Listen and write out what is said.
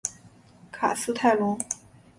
卡斯泰龙。